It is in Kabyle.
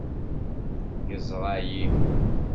Yeẓra-iyi.